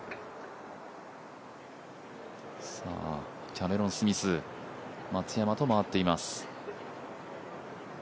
キャメロン・スミス、松山と回っています。